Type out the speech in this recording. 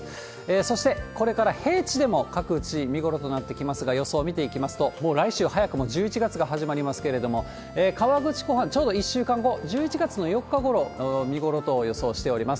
そして、これから各地、見頃となってきますが、予想を見ていきますと、もう来週、早くも１１月が始まりますけれども、河口湖畔、ちょうど１週間後、１１月の４日ごろ、見頃と予想しております。